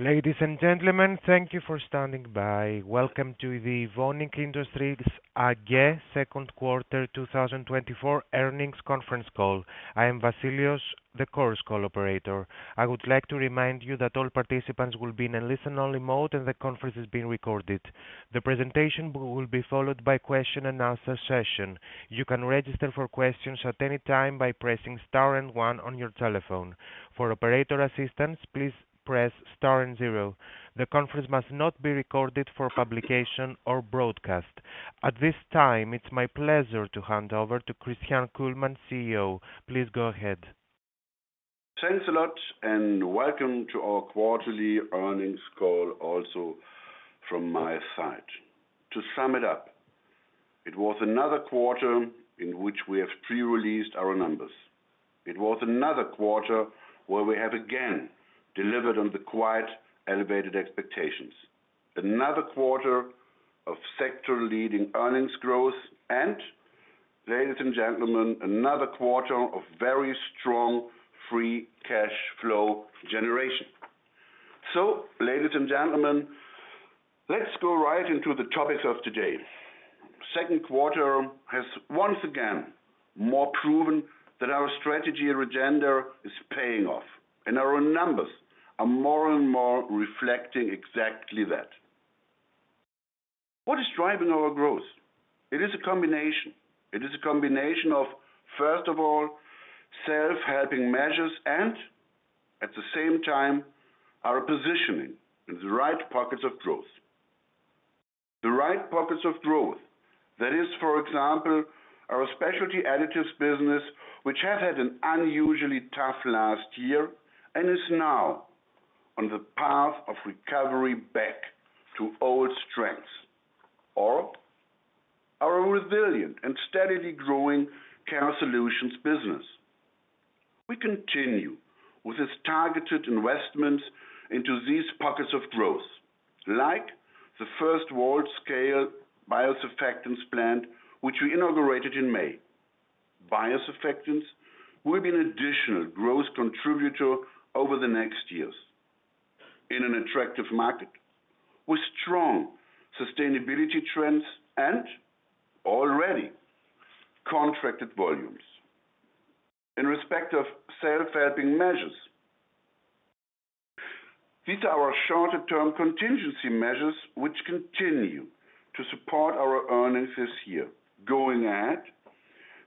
Ladies and gentlemen, thank you for standing by. Welcome to the Evonik Industries AG Second Quarter 2024 Earnings Conference Call. I am Vasilios, the Chorus Call operator. I would like to remind you that all participants will be in a listen-only mode, and the conference is being recorded. The presentation will be followed by question and answer session. You can register for questions at any time by pressing star and one on your telephone. For operator assistance, please press star and zero. The conference must not be recorded for publication or broadcast. At this time, it's my pleasure to hand over to Christian Kullmann, CEO. Please go ahead. Thanks a lot, and welcome to our Quarterly Earnings Call also from my side. To sum it up, it was another quarter in which we have pre-released our numbers. It was another quarter where we have again delivered on the quite elevated expectations. Another quarter of sector-leading earnings growth, and ladies and gentlemen, another quarter of very strong free cash flow generation. So ladies and gentlemen, let's go right into the topics of today. Second quarter has once again more proven that our strategy agenda is paying off, and our numbers are more and more reflecting exactly that. What is driving our growth? It is a combination. It is a combination of, first of all, self-helping measures and at the same time, our positioning in the right pockets of growth. The right pockets of growth, that is, for example, our Specialty Additives business, which has had an unusually tough last year and is now on the path of recovery back to old strengths, or our resilient and steadily growing Care Solutions business. We continue with this targeted investment into these pockets of growth, like the first world-scale biosurfactants plant, which we inaugurated in May. Biosurfactants will be an additional growth contributor over the next years in an attractive market, with strong sustainability trends and already contracted volumes. In respect of self-helping measures, these are our shorter-term contingency measures, which continue to support our earnings this year. Going ahead,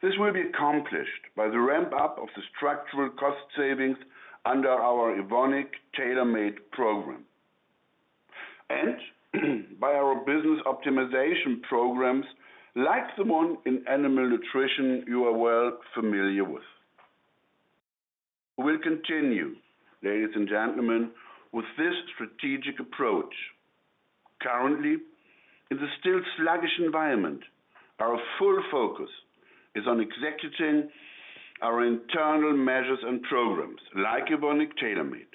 this will be accomplished by the ramp-up of the structural cost savings under our Evonik Tailor Made program, and by our business optimization programs, like the one in animal nutrition you are well familiar with. We'll continue, ladies and gentlemen, with this strategic approach. Currently, in the still sluggish environment, our full focus is on executing our internal measures and programs like Evonik Tailor Made,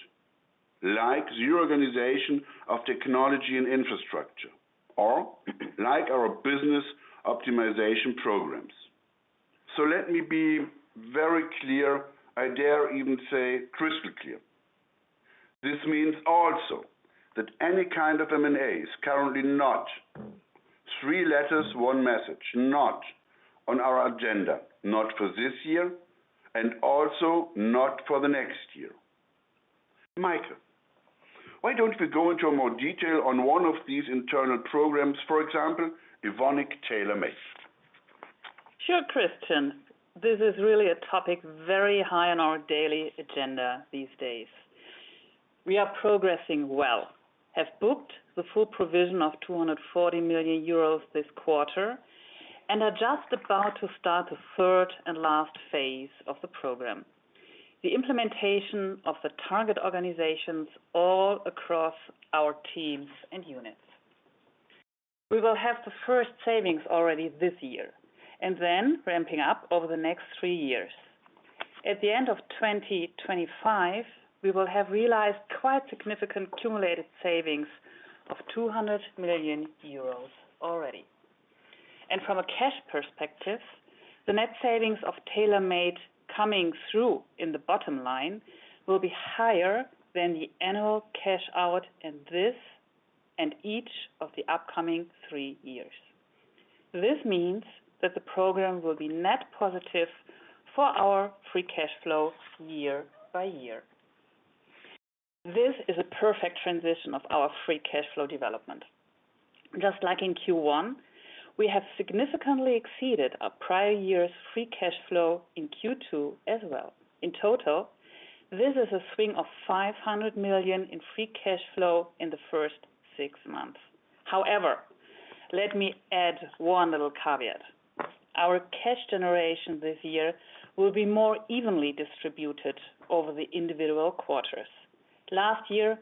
like the reorganization of technology and infrastructure, or like our business optimization programs. So let me be very clear, I dare even say crystal clear. This means also that any kind of M&A is currently not, three letters one message, not on our agenda, not for this year, and also not for the next year. Maike, why don't we go into more detail on one of these internal programs, for example, Evonik Tailor Made? Sure, Christian. This is really a topic very high on our daily agenda these days. We are progressing well, have booked the full provision of 240 million euros this quarter, and are just about to start the third and last phase of the program. The implementation of the target organizations all across our teams and units. We will have the first savings already this year, and then ramping up over the next three years. At the end of 2025, we will have realized quite significant cumulative savings of 200 million euros already. And from a cash perspective, the net savings of Tailor Made coming through in the bottom line will be higher than the annual cash out in this, and each of the upcoming three years. This means that the program will be net positive for our free cash flow year by year. This is a perfect transition of our free cash flow development. Just like in Q1, we have significantly exceeded our prior year's free cash flow in Q2 as well. In total, this is a swing of 500 million in free cash flow in the first six months. However, let me add one little caveat. Our cash generation this year will be more evenly distributed over the individual quarters. Last year,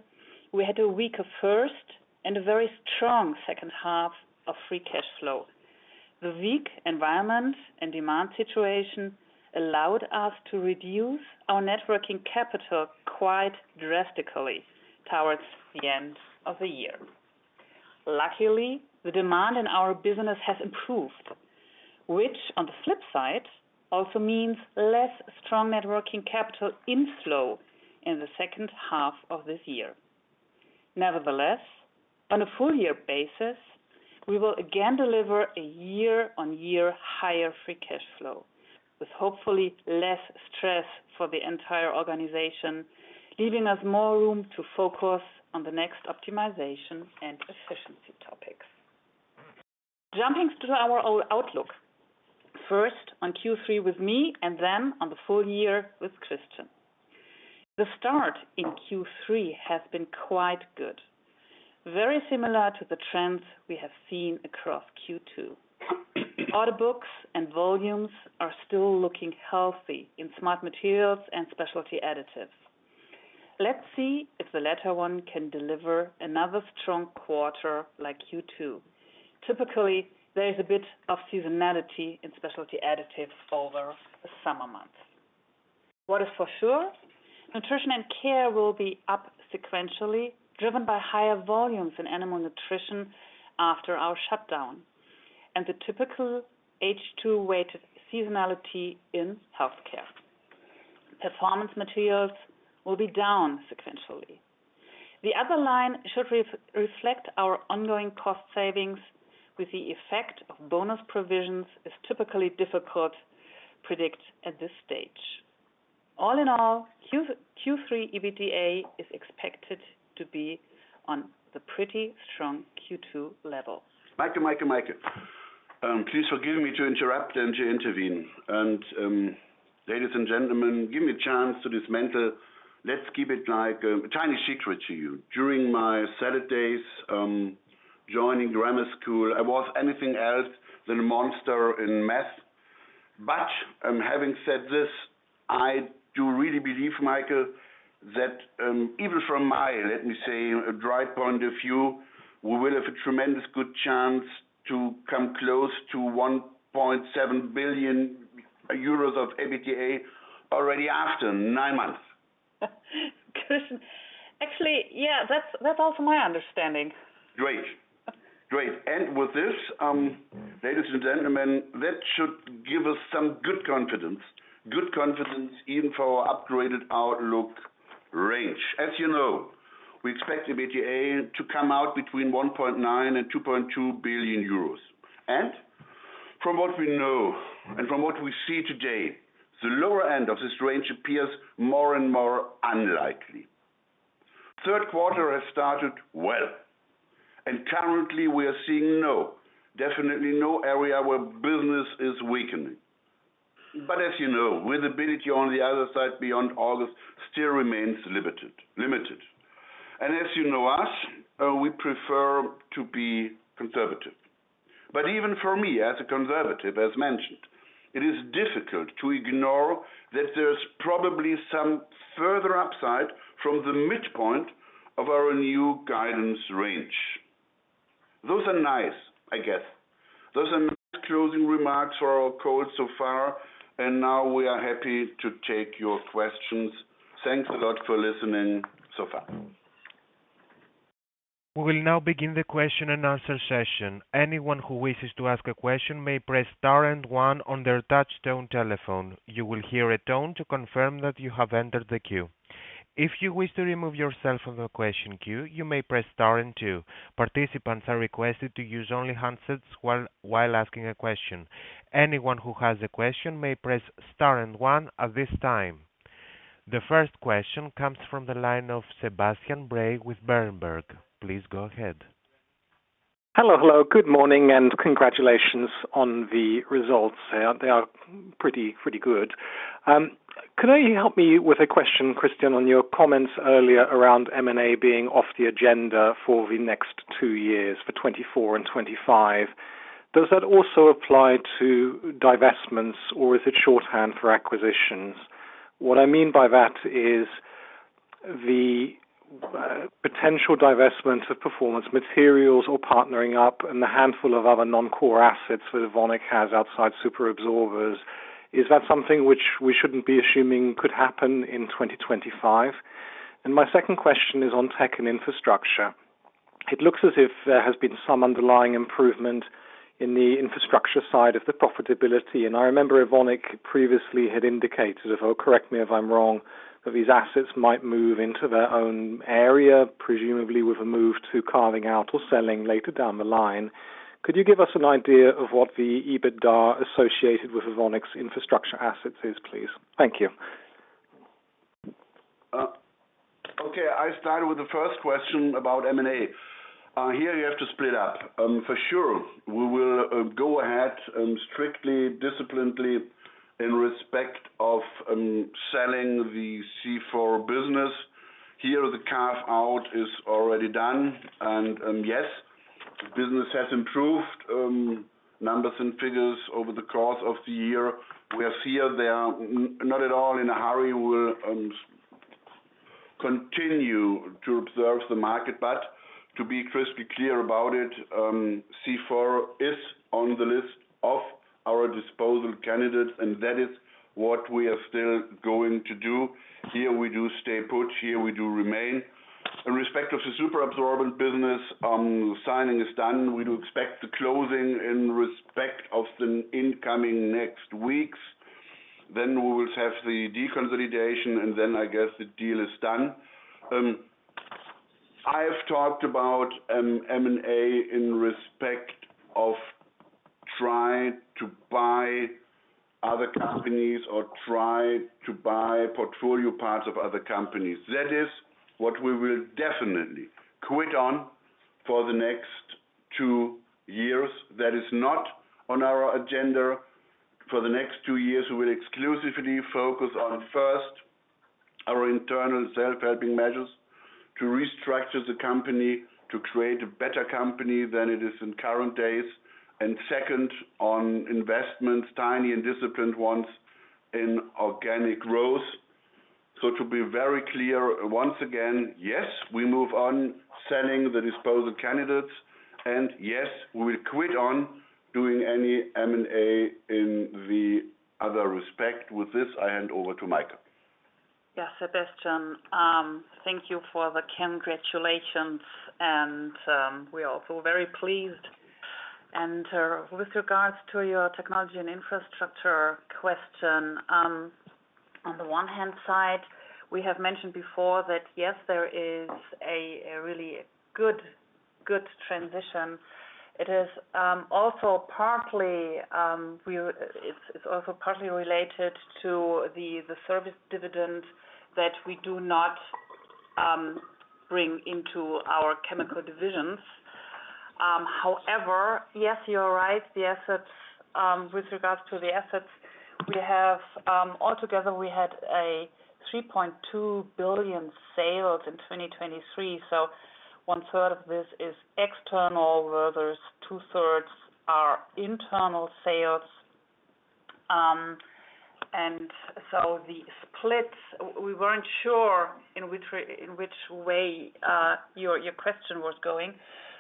we had a weaker first and a very strong second half of free cash flow. The weak environment and demand situation allowed us to reduce our net working capital quite drastically towards the end of the year. Luckily, the demand in our business has improved, which on the flip side, also means less strong net working capital inflow in the second half of this year. Nevertheless, on a full year basis, we will again deliver a year-on-year higher free cash flow, with hopefully less stress for the entire organization, leaving us more room to focus on the next optimization and efficiency topics. Jumping to our outlook. First, on Q3 with me, and then on the full year with Christian. The start in Q3 has been quite good, very similar to the trends we have seen across Q2. Order books and volumes are still looking healthy in Smart Materials and Specialty Additives. Let's see if the latter one can deliver another strong quarter like Q2. Typically, there is a bit of seasonality in Specialty Additives over the summer months. What is for sure, Nutrition and Care will be up sequentially, driven by higher volumes in animal nutrition after our shutdown, and the typical H2-weighted seasonality in Health Care. Performance Materials will be down sequentially. The other line should reflect our ongoing cost savings, with the effect of bonus provisions, is typically difficult to predict at this stage. All in all, Q3 EBITDA is expected to be on the pretty strong Q2 level. Maike, Maike, Maike, please forgive me to interrupt and to intervene. Ladies and gentlemen, give me a chance to dismantle. Let's keep it like a Chinese secret to you. During my Saturdays during grammar school, I was anything else than a monster in math. But, having said this, I do really believe, Maike, that even from my, let me say, a dry point of view, we will have a tremendous good chance to come close to 1.7 billion euros of EBITDA already after nine months. Christian, actually, yeah, that's, that's also my understanding. Great. Great. And with this, ladies and gentlemen, that should give us some good confidence, good confidence even for our upgraded outlook range. As you know, we expect EBITDA to come out between 1.9 billion and 2.2 billion euros. And from what we know and from what we see today, the lower end of this range appears more and more unlikely. Third quarter has started well, and currently we are seeing no, definitely no area where business is weakening. But as you know, visibility on the other side beyond August still remains limited, limited. And as you know us, we prefer to be conservative. But even for me, as a conservative, as mentioned, it is difficult to ignore that there's probably some further upside from the midpoint of our new guidance range. Those are nice, I guess. Those are nice closing remarks for our call so far, and now we are happy to take your questions. Thanks a lot for listening so far. We will now begin the question and answer session. Anyone who wishes to ask a question may press star and one on their touchtone telephone. You will hear a tone to confirm that you have entered the queue. If you wish to remove yourself from the question queue, you may press star and two. Participants are requested to use only handsets while asking a question. Anyone who has a question may press star and one at this time. The first question comes from the line of Sebastian Bray with Berenberg. Please go ahead. Hello, hello, good morning, and congratulations on the results. They are pretty, pretty good. Could you help me with a question, Christian, on your comments earlier around M&A being off the agenda for the next two years, for 2024 and 2025? Does that also apply to divestments, or is it shorthand for acquisitions? What I mean by that is the potential divestment of Performance Materials or partnering up, and the handful of other non-core assets that Evonik has outside superabsorbents. Is that something which we shouldn't be assuming could happen in 2025? And my second question is on tech and infrastructure. It looks as if there has been some underlying improvement in the infrastructure side of the profitability. I remember Evonik previously had indicated, oh, correct me if I'm wrong, that these assets might move into their own area, presumably with a move to carving out or selling later down the line. Could you give us an idea of what the EBITDA associated with Evonik's infrastructure assets is, please? Thank you. Okay, I start with the first question about M&A. Here you have to split up. For sure, we will go ahead strictly, disciplinedly in respect of selling the C4 business. Here, the carve-out is already done, and yes, business has improved numbers and figures over the course of the year. We are here, we are not at all in a hurry. We will continue to observe the market. But to be crystal clear about it. C4 is on the list of our disposal candidates, and that is what we are still going to do. Here we do stay put, here we do remain. In respect of the superabsorbent business, signing is done. We do expect the closing in respect of the coming next weeks. Then we will have the deconsolidation, and then I guess the deal is done. I have talked about M&A in respect of trying to buy other companies or try to buy portfolio parts of other companies. That is what we will definitely quit on for the next two years. That is not on our agenda. For the next two years, we will exclusively focus on, first, our internal self-helping measures to restructure the company, to create a better company than it is in current days. And second, on investments, tiny and disciplined ones in organic growth. So to be very clear, once again, yes, we move on selling the disposal candidates, and yes, we will quit on doing any M&A in the other respect. With this, I hand over to Maike. Yes, Sebastian, thank you for the congratulations, and we are also very pleased. With regards to your technology and infrastructure question, on the one hand side, we have mentioned before that, yes, there is a really good transition. It is also partly, it's also partly related to the service dividend that we do not bring into our chemical divisions. However, yes, you're right, the assets, with regards to the assets, we have, altogether, we had 3.2 billion sales in 2023, so 1/3 of this is external, whereas 2/3 are internal sales. We weren't sure in which way your question was going,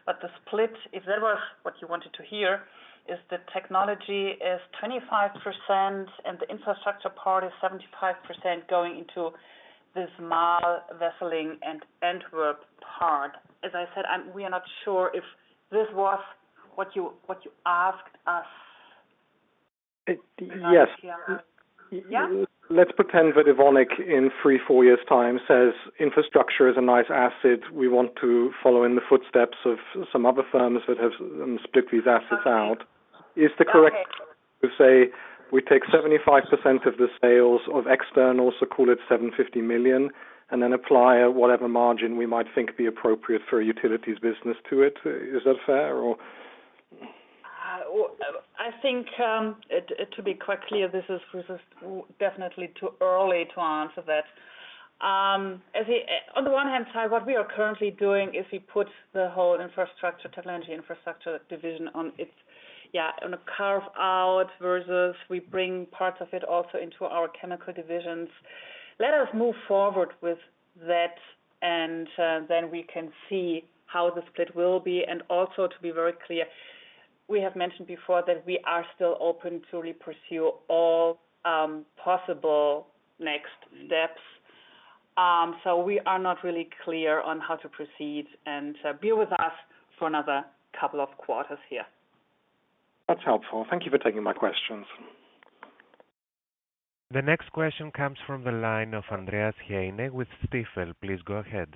but the split, if that was what you wanted to hear, is the technology is 25% and the infrastructure part is 75% going into this Marl, Wesseling, and Antwerp part. As I said, we are not sure if this was what you asked us. Uh, yes. Yeah? Let's pretend that Evonik, in 3-4 years' time, says: Infrastructure is a nice asset. We want to follow in the footsteps of some other firms that have split these assets out. Okay. Is the correct to say: We take 75% of the sales of externals, so call it 750 million, and then apply whatever margin we might think be appropriate for a utilities business to it. Is that fair, or? Well, I think, to be quite clear, this is definitely too early to answer that. On the one-hand side, what we are currently doing is we put the whole infrastructure, technology and infrastructure division on its, on a carve-out, versus we bring parts of it also into our chemical divisions. Let us move forward with that, and, then we can see how the split will be. Also, to be very clear, we have mentioned before that we are still open to really pursue all, possible next steps. So we are not really clear on how to proceed, and, bear with us for another couple of quarters here. That's helpful. Thank you for taking my questions. The next question comes from the line of Andreas Heine with Stifel. Please go ahead.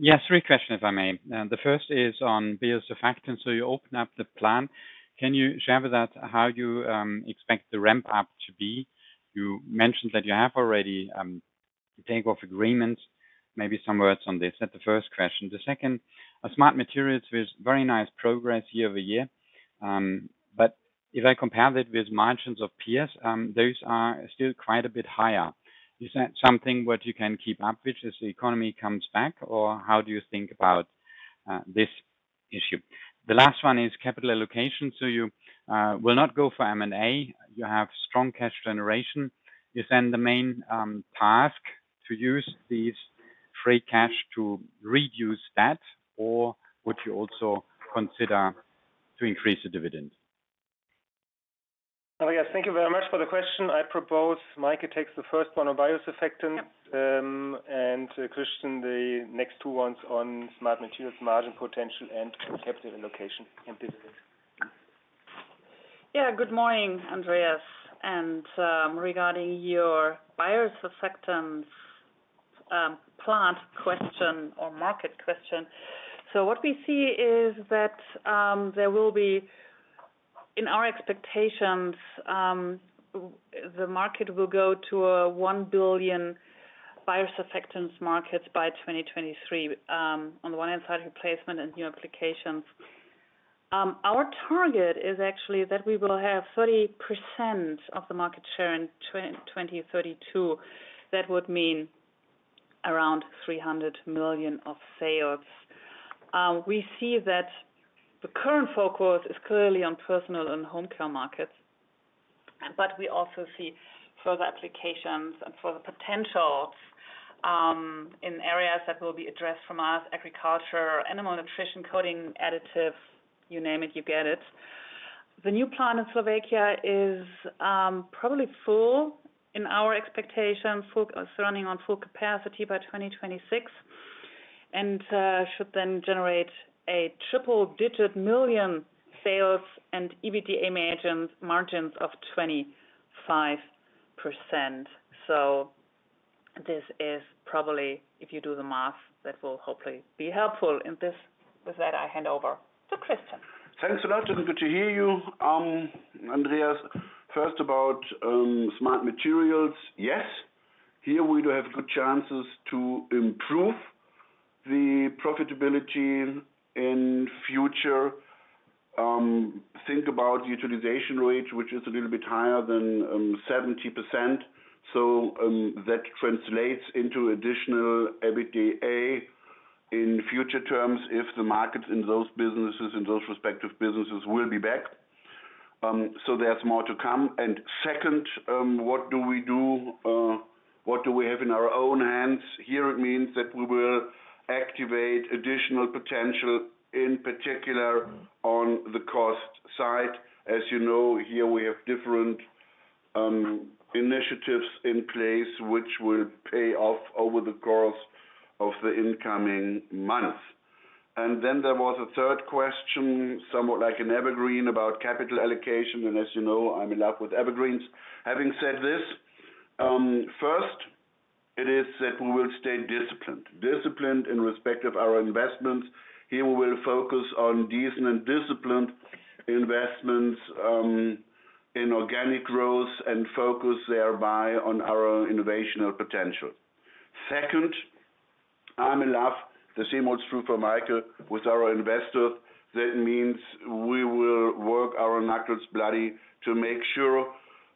Yes, three questions, if I may. The first is on biosurfactants, so you open up the plant. Can you share with us how you expect the ramp-up to be? You mentioned that you have already take-off agreements. Maybe some words on this. That's the first question. The second, a Smart Materials with very nice progress year-over-year. But if I compare that with margins of peers, those are still quite a bit higher. Is that something what you can keep up with as the economy comes back, or how do you think about this issue? The last one is capital allocation. So you will not go for M&A. You have strong cash generation. Is then the main task to use these free cash to reduce debt, or would you also consider to increase the dividends? Andreas, thank you very much for the question. I propose Maike takes the first one on biosurfactants and Christian, the next two ones on Smart Materials, margin potential, and capital allocation and business. Yeah. Good morning, Andreas. Regarding your biosurfactants plant question or market question, so what we see is that there will be, in our expectations, the market will go to a 1 billion biosurfactants market by 2023, on the one hand side, replacement and new applications. Our target is actually that we will have 30% of the market share in 2032. That would mean around 300 million of sales. We see that the current focus is clearly on personal and home care markets. But we also see further applications and further potential in areas that will be addressed from us, agriculture, animal nutrition, coating additives, you name it, you get it. The new plant in Slovakia is probably full in our expectation, full, it's running on full capacity by 2026, and should then generate a triple-digit million sales and EBITDA margins of 25%. So this is probably, if you do the math, that will hopefully be helpful. And this, with that, I hand over to Christian. Thanks a lot, and good to hear you. Andreas, first about, Smart Materials. Yes, here we do have good chances to improve the profitability in future. Think about utilization rate, which is a little bit higher than, 70%. So, that translates into additional EBITDA in future terms, if the markets in those businesses, in those respective businesses will be back. So there's more to come. And second, what do we do, what do we have in our own hands? Here, it means that we will activate additional potential, in particular, on the cost side. As you know, here we have different, initiatives in place which will pay off over the course of the incoming months. And then there was a third question, somewhat like an evergreen, about capital allocation, and as you know, I'm in love with evergreens. Having said this, first, it is that we will stay disciplined. Disciplined in respect of our investments. Here, we will focus on decent and disciplined investments, in organic growth, and focus thereby on our innovational potential. Second, I'm in love, the same holds true for Maike, with our investors. That means we will work our knuckles bloody to make sure,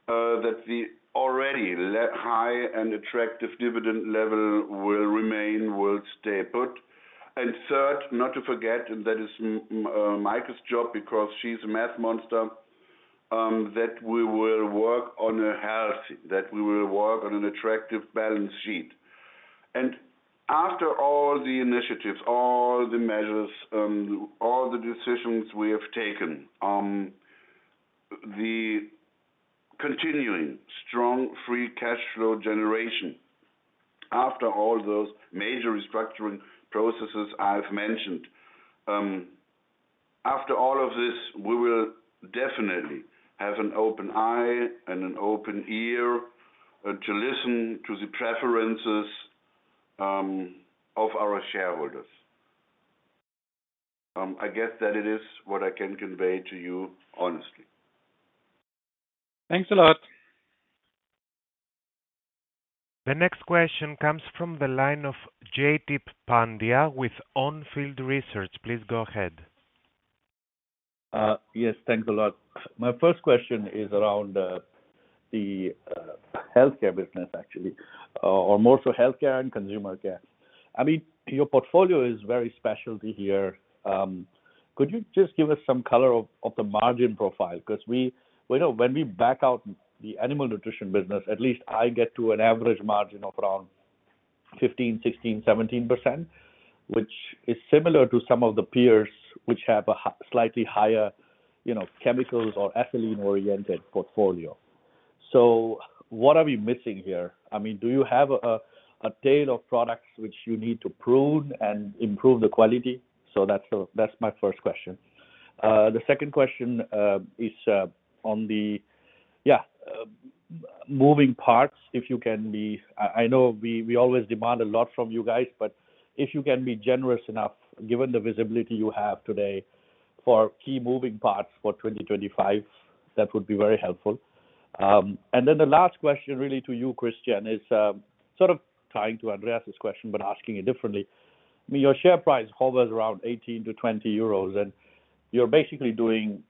that the already high and attractive dividend level will remain, will stay put. And third, not to forget, and that is Maike's job because she's a math monster, that we will work on an attractive balance sheet. After all the initiatives, all the measures, all the decisions we have taken, the continuing strong free cash flow generation, after all those major restructuring processes I've mentioned, after all of this, we will definitely have an open eye and an open ear, to listen to the preferences, of our shareholders. I guess that it is what I can convey to you honestly. Thanks a lot. The next question comes from the line of Jaideep Pandya with Onfield Research. Please go ahead. Yes, thanks a lot. My first question is around the Health Care business, actually, or more so Health care and consumer care. I mean, your portfolio is very specialty here. Could you just give us some color of the margin profile? 'Cause we, you know, when we back out the animal nutrition business, at least I get to an average margin of around 15%, 16%, 17%, which is similar to some of the peers which have a slightly higher, you know, chemicals or ethylene-oriented portfolio. So what are we missing here? I mean, do you have a tail of products which you need to prune and improve the quality? So that's that's my first question. The second question is on the moving parts, if you can be, I know we always demand a lot from you guys, but if you can be generous enough, given the visibility you have today, for key moving parts for 2025, that would be very helpful. And then the last question, really to you, Christian, is sort of tying to Andreas's question, but asking it differently. I mean, your share price hovers around 18-20 euros, and you're basically doing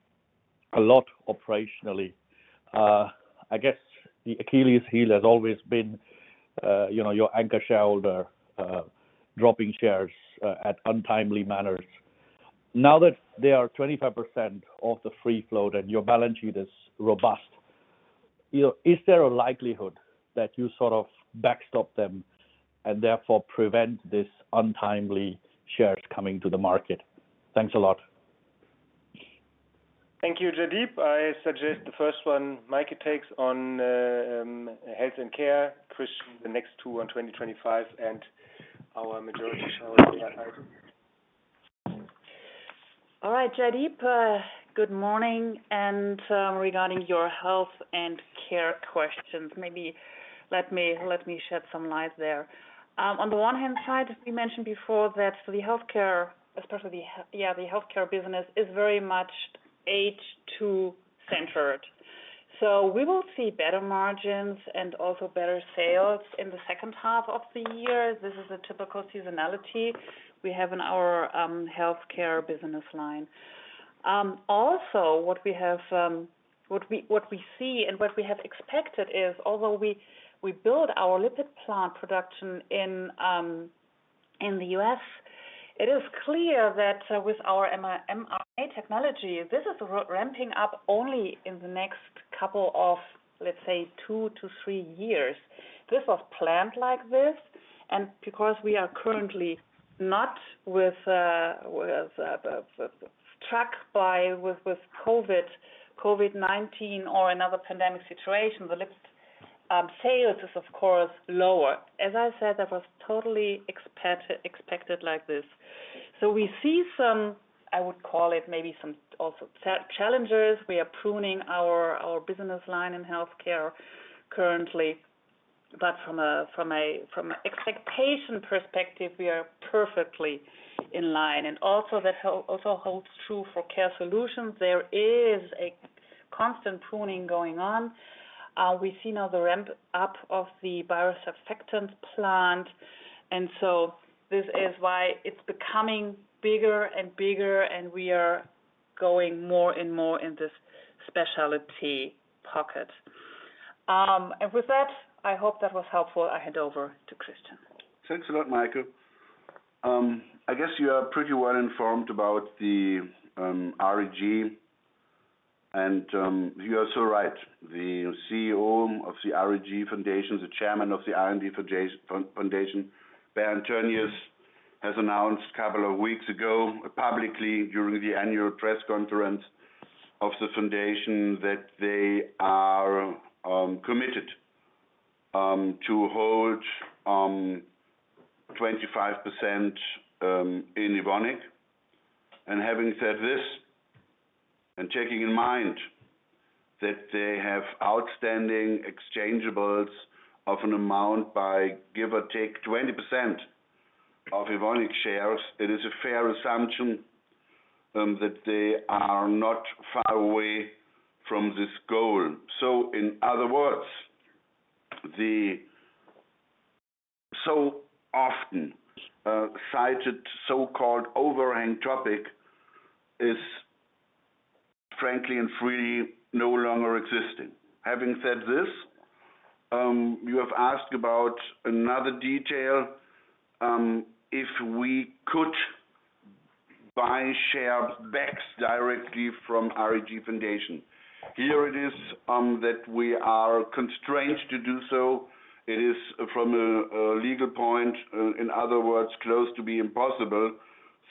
a lot operationally. I guess the Achilles heel has always been, you know, your anchor shareholder dropping shares at untimely manners. Now that they are 25% of the free float, and your balance sheet is robust, you know, is there a likelihood that you sort of backstop them, and therefore prevent this untimely shares coming to the market? Thanks a lot. Thank you, Jaideep. I suggest the first one, Maike takes on health and care. Christian, the next two on 2025, and our majority shareholder. All right, Jaideep, good morning, and regarding your health and care questions, maybe let me shed some light there. On the one hand side, we mentioned before that the Health Care, especially the Health Care business, is very much H2 centered. So we will see better margins and also better sales in the second half of the year. This is a typical seasonality we have in our Health Care business line. Also, what we see and what we have expected is, although we build our lipid plant production in the U.S. It is clear that with our mRNA technology, this is ramping up only in the next couple of, let's say, two to three years. This was planned like this, and because we are currently not struck by COVID-19 or another pandemic situation, the lipid sales is of course lower. As I said, that was totally expected like this. So we see some. I would call it maybe some also challenges. We are pruning our business line in Health Care currently, but from an expectation perspective, we are perfectly in line. And also, that also holds true for Care Solutions. There is a constant pruning going on. We see now the ramp up of the biosurfactant plant, and so this is why it's becoming bigger and bigger, and we are going more and more in this specialty pocket. And with that, I hope that was helpful. I hand over to Christian. Thanks a lot, Maike. I guess you are pretty well informed about the RAG, and you are so right. The CEO of the RAG Foundation, the chairman of the RAG Foundation, Bernd Tönjes, has announced a couple of weeks ago, publicly, during the annual press conference of the foundation, that they are committed to hold 25% in Evonik. Having said this, and taking in mind that they have outstanding exchangeables of an amount by, give or take, 20% of Evonik shares, it is a fair assumption that they are not far away from this goal. So in other words, the so often cited, so-called overhang topic is frankly and freely no longer existing. Having said this, you have asked about another detail, if we could buy shares back directly from RAG Foundation. Here it is, that we are constrained to do so. It is, from a legal point, in other words, close to being impossible,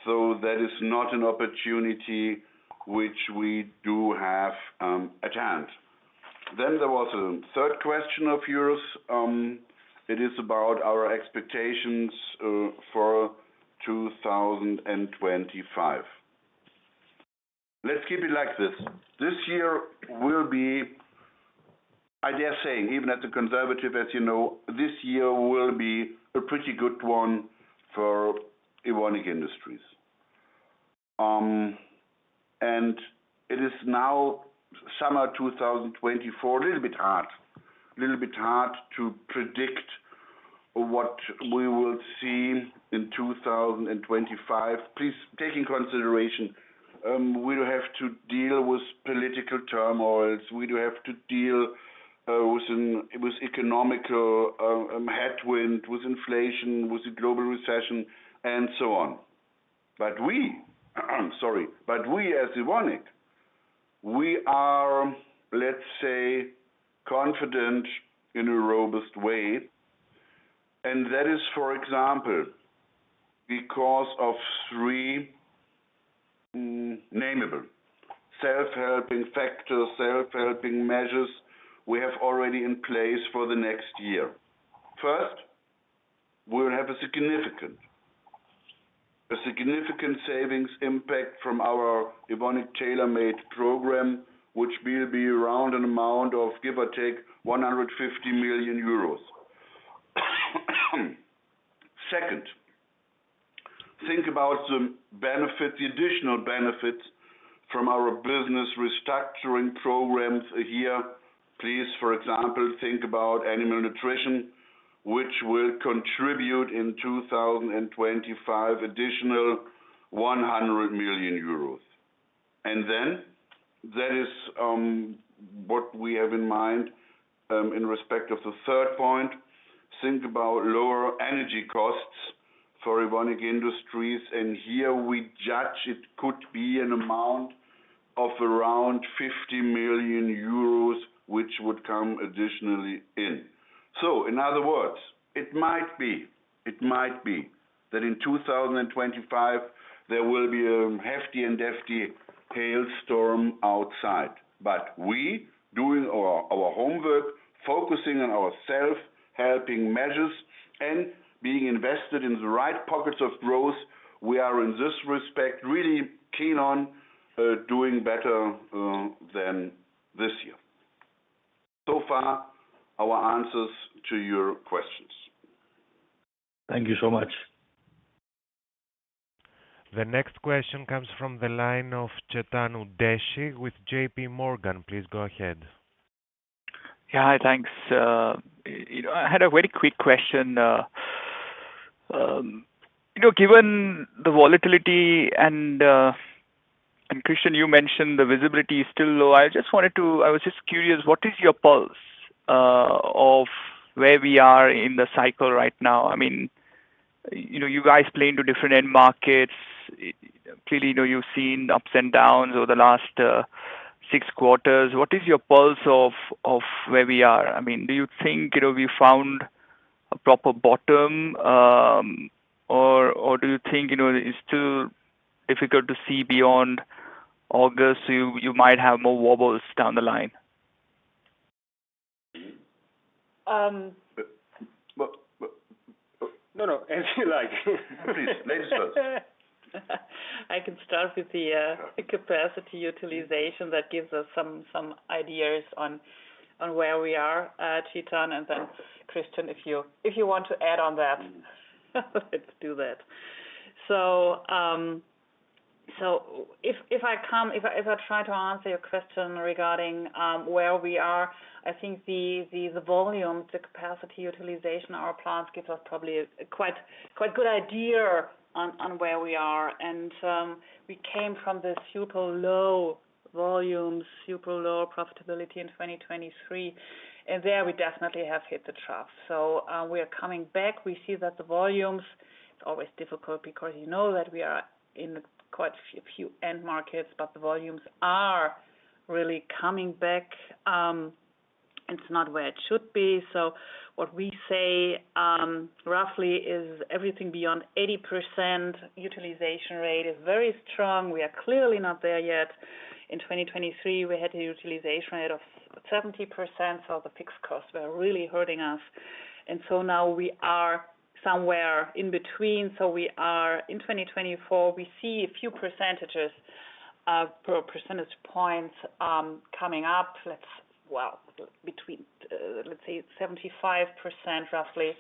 so that is not an opportunity which we do have, at hand. Then there was a third question of yours. It is about our expectations, for 2025. Let's keep it like this. This year will be, I dare saying, even at the conservative, as you know, this year will be a pretty good one for Evonik Industries. And it is now summer 2024, a little bit hard to predict what we will see in 2025. Please take in consideration, we do have to deal with political turmoils. We do have to deal with economic headwind, with inflation, with the global recession, and so on. But we, sorry, but we, as Evonik, we are, let's say, confident in a robust way. And that is, for example, because of three nameable self-helping factors, self-helping measures we have already in place for the next year. First, we'll have a significant, a significant savings impact from our Evonik Tailor Made program, which will be around an amount of, give or take, 150 million euros. Second, think about the benefits, the additional benefits from our business restructuring programs here. Please, for example, think about animal nutrition, which will contribute in 2025, additional 100 million euros. And then, that is, what we have in mind, in respect of the third point, think about lower energy costs for Evonik Industries, and here we judge it could be an amount of around 50 million euros, which would come additionally in. So in other words, it might be, it might be that in 2025, there will be a hefty and hefty hailstorm outside, but we doing our, our homework, focusing on our self-helping measures and being invested in the right pockets of growth, we are, in this respect, really keen on, doing better, than this year. So far, our answers to your questions. Thank you so much. The next question comes from the line of Chetan Udeshi with JPMorgan. Please go ahead. Yeah. Hi, thanks. You know, I had a very quick question. You know, given the volatility and Christian, you mentioned the visibility is still low. I just wanted to, I was just curious, what is your pulse of where we are in the cycle right now? I mean, you know, you guys play into different end markets. Clearly, you know you've seen ups and downs over the last six quarters. What is your pulse of where we are? I mean, do you think, you know, we found a proper bottom, or do you think, you know, it's still difficult to see beyond August, so you might have more wobbles down the line? But, no, as you like. Please, ladies first. I can start with the capacity utilization that gives us some ideas on where we are, Chetan, and then Christian, if you want to add on that, let's do that. So, if I try to answer your question regarding where we are, I think the volume, the capacity utilization of our plants gives us probably a quite good idea on where we are. And we came from this super low volume, super low profitability in 2023, and there we definitely have hit the trough. So, we are coming back. We see that the volumes, it's always difficult because you know that we are in quite a few end markets, but the volumes are really coming back. It's not where it should be, so what we say, roughly is everything beyond 80% utilization rate is very strong. We are clearly not there yet. In 2023, we had a utilization rate of 70%, so the fixed costs were really hurting us. And so now we are somewhere in between. So we are, in 2024, we see a few percentages, per percentage points, coming up. Let's, well, between, let's say 75%, roughly.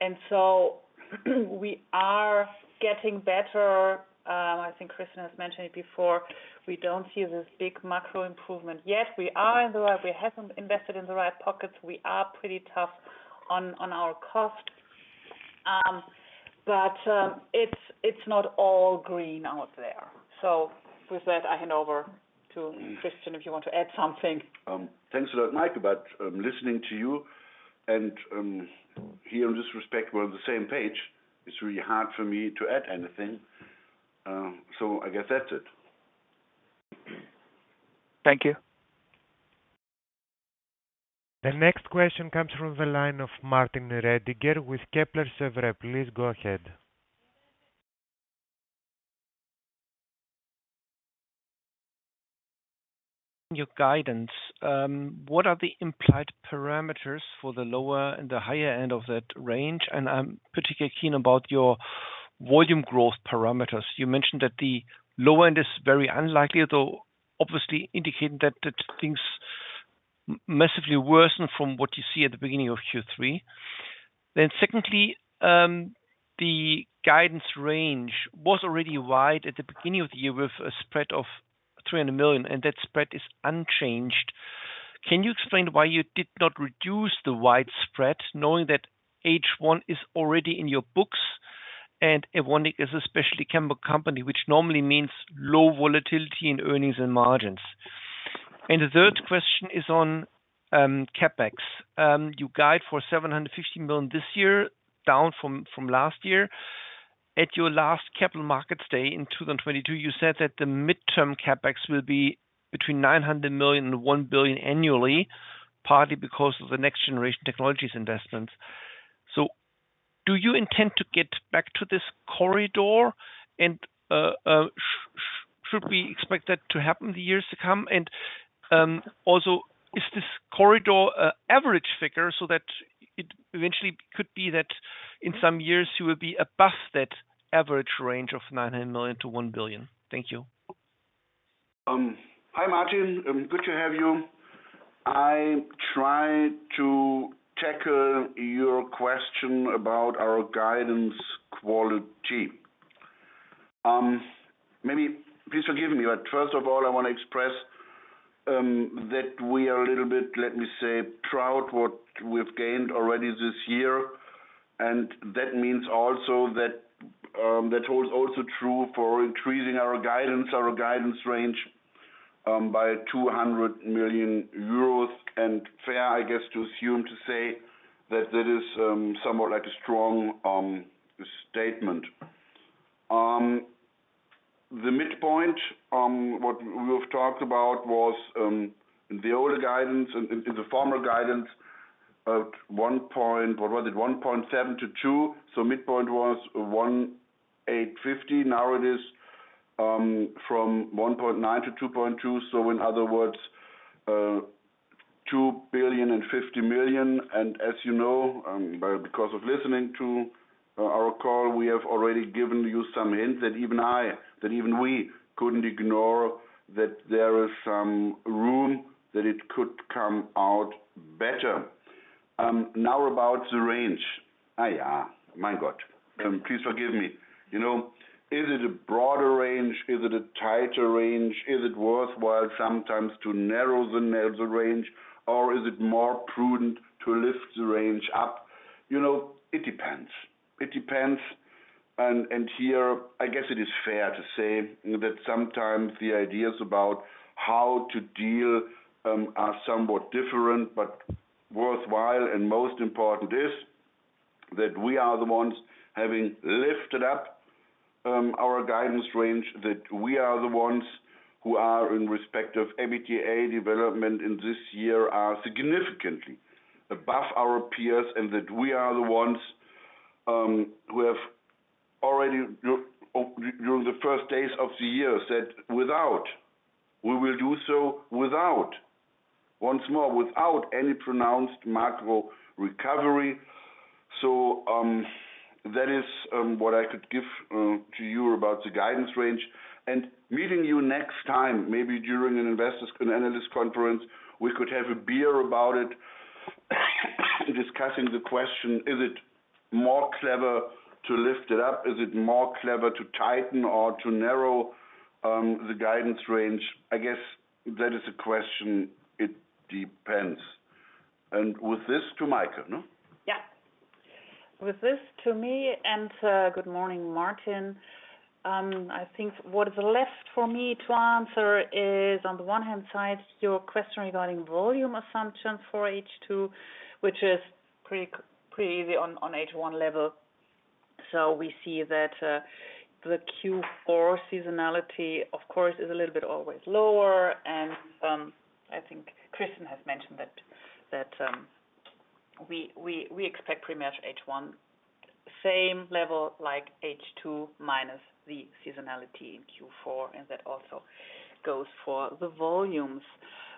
And so, we are getting better. I think Christian has mentioned it before, we don't see this big macro improvement yet. We are in the right, we haven't invested in the right pockets. We are pretty tough on, on our cost. But, it's not all green out there. So with that, I hand over to Christian, if you want to add something. Thanks a lot, Maike, but listening to you and here in this respect, we're on the same page. It's really hard for me to add anything, so I guess that's it. Thank you. The next question comes from the line of Martin Roediger with Kepler Cheuvreux. Please go ahead. Your guidance, what are the implied parameters for the lower and the higher end of that range? And I'm particularly keen about your volume growth parameters. You mentioned that the low end is very unlikely, although obviously indicating that things massively worsen from what you see at the beginning of Q3. Then secondly, the guidance range was already wide at the beginning of the year, with a spread of 300 million, and that spread is unchanged. Can you explain why you did not reduce the wide spread, knowing that H1 is already in your books and Evonik is a specialty chemical company, which normally means low volatility in earnings and margins? And the third question is on CapEx. You guide for 750 million this year, down from last year. At your last capital markets day in 2022, you said that the midterm CapEx will be between 900 million and 1 billion annually, partly because of the next generation technologies investments. So do you intend to get back to this corridor? And, should we expect that to happen in the years to come? And, also, is this corridor a average figure so that it eventually could be that in some years you will be above that average range of 900 million-1 billion? Thank you. Hi, Martin. Good to have you. I try to tackle your question about our guidance quality. Maybe please forgive me, but first of all, I want to express that we are a little bit, let me say, proud what we've gained already this year, and that means also that that holds also true for increasing our guidance, our guidance range by 200 million euros. Fair, I guess, to assume, to say that that is somewhat like a strong statement. The midpoint, what we've talked about, was the older guidance and the former guidance of 1.7 billion-2 billion, so midpoint was 1,850 million. Now it is from 1.9 billion to 2.2 billion. So in other words, 2.05 billion. As you know, by because of listening to our call, we have already given you some hints that even I, that even we couldn't ignore, that there is some room, that it could come out better. Now about the range. Ah, yeah, my God, please forgive me. You know, is it a broader range? Is it a tighter range? Is it worthwhile sometimes to narrow the, narrow the range, or is it more prudent to lift the range up? You know, it depends. It depends. And here, I guess it is fair to say that sometimes the ideas about how to deal are somewhat different, but worthwhile, and most important is that we are the ones having lifted up our guidance range, that we are the ones who are in respect of EBITDA development in this year are significantly above our peers, and that we are the ones who have already, during the first days of the year, said, without. We will do so without. Once more, without any pronounced macro recovery. So, that is what I could give to you about the guidance range. And meeting you next time, maybe during an investors and analyst conference, we could have a beer about it, discussing the question: Is it more clever to lift it up? Is it more clever to tighten or to narrow the guidance range? I guess that is a question, it depends. And with this, to Maike, no? Yeah. With this to me, and good morning, Martin. I think what is left for me to answer is, on the one hand side, your question regarding volume assumptions for H2, which is pretty much on H1 level. So we see that, the Q4 seasonality, of course, is a little bit always lower. And, I think Christian has mentioned that, we expect pretty much H1, same level like H2, minus the seasonality in Q4, and that also goes for the volumes.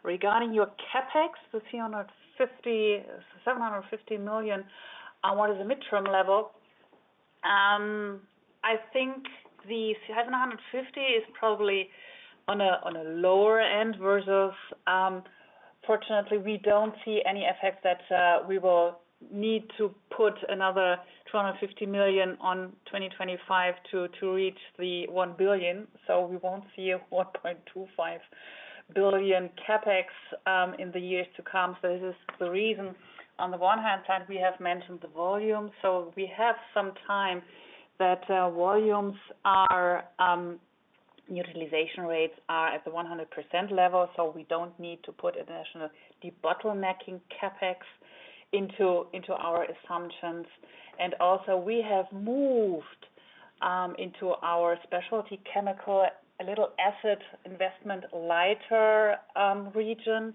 Regarding your CapEx, the 350 million-750 million, and what is the mid-term level? I think the 750 million is probably on a, on a lower end versus, fortunately, we don't see any effect that we will need to put another 250 million on 2025 to, to reach the 1 billion. So we won't see a 1.25 billion CapEx in the years to come. So this is the reason, on the one hand side, we have mentioned the volume, so we have some time that volumes are, utilization rates are at the 100% level, so we don't need to put additional de-bottlenecking CapEx into, into our assumptions. And also, we have moved into our specialty chemical, a little asset investment, lighter, region.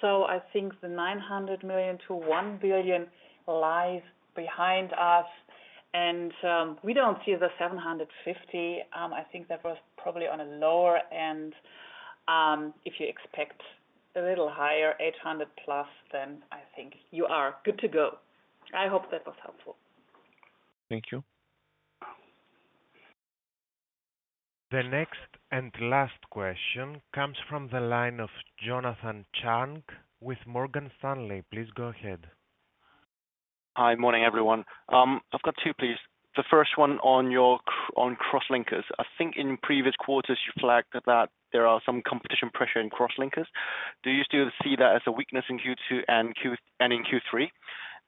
So I think the 900 million-1 billion lies behind us. And we don't see the 750 million. I think that was probably on a lower end. If you expect a little higher, 800 million+, then I think you are good to go. I hope that was helpful. Thank you. The next and last question comes from the line of Jonathan Chung with Morgan Stanley. Please go ahead. Hi, morning, everyone. I've got two, please. The first one on Crosslinkers. I think in previous quarters, you flagged that there are some competitive pressure in Crosslinkers. Do you still see that as a weakness in Q2 and in Q3?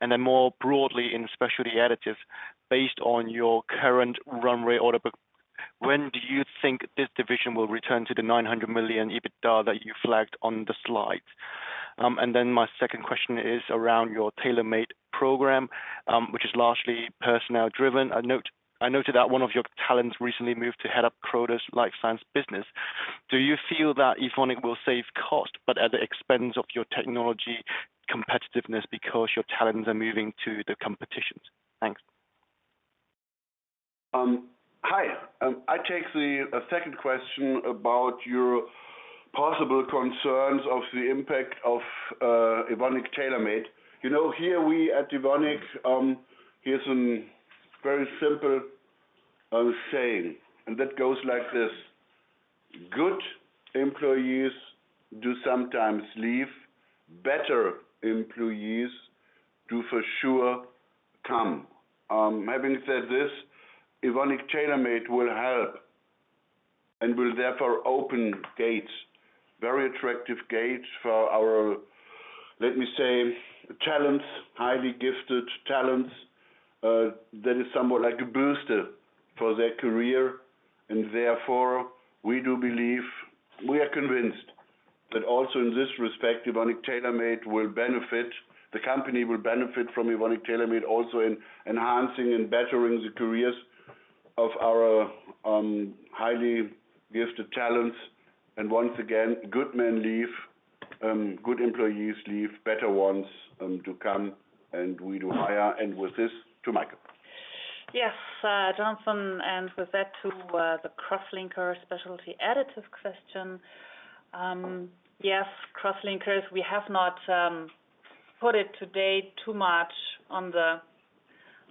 And then more broadly, in Specialty Additives, based on your current run rate order book, when do you think this division will return to the 900 million EBITDA that you flagged on the slide? And then my second question is around your Tailor Made program, which is largely personnel-driven. I noted that one of your talents recently moved to head up Croda's life science business. Do you feel that Evonik will save cost, but at the expense of your technology competitiveness because your talents are moving to the competitions? Thanks. Hi, I take the second question about your possible concerns of the impact of Evonik Tailor Made. You know, here we at Evonik, here's a very simple, I would say, and that goes like this: Good employees do sometimes leave, better employees do for sure come. Having said this, Evonik Tailor Made will help, and will therefore open gates, very attractive gates for our, let me say, talents, highly gifted talents, that is somewhat like a booster for their career. And therefore, we do believe, we are convinced that also in this respect, Evonik Tailor Made will benefit. The company will benefit from Evonik Tailor Made, also in enhancing and bettering the careers of our, highly gifted talents. And once again, good men leave, good employees leave, better ones to come, and we do hire. And with this, to Maike. Yes, Jonathan, and with that, to the Crosslinkers specialty additives question. Yes, Crosslinkers, we have not put it to date too much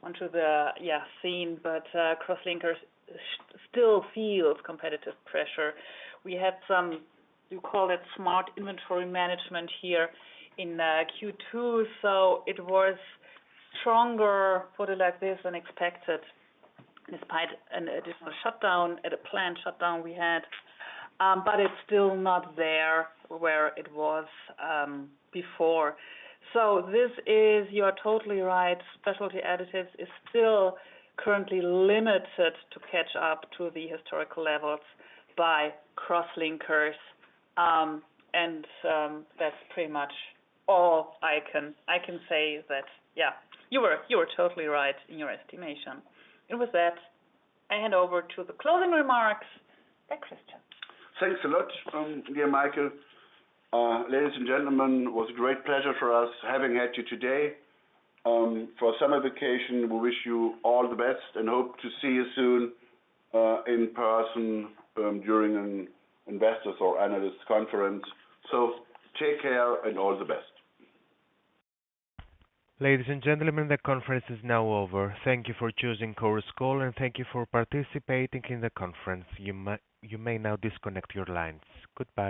onto the, yeah, scene, but Crosslinkers still feel competitive pressure. We had some, we call it smart inventory management here in Q2, so it was stronger, put it like this, than expected, despite an additional shutdown at a plant shutdown we had. But it's still not there, where it was, before. So this is, you are totally right, specialty additives is still currently limited to catch up to the historical levels by Crosslinkers. And that's pretty much all I can, I can say is that, yeah, you were, you were totally right in your estimation. And with that, I hand over to the closing remarks. Thank you, Christian. Thanks a lot, dear Maike. Ladies and gentlemen, it was a great pleasure for us having had you today. For summer vacation, we wish you all the best, and hope to see you soon, in person, during an investors or analysts conference. So take care and all the best. Ladies and gentlemen, the conference is now over. Thank you for choosing Chorus Call, and thank you for participating in the conference. You may now disconnect your lines. Goodbye.